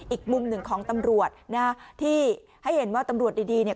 อีกมุมหนึ่งของตำรวจนะที่ให้เห็นว่าตำรวจดีเนี่ย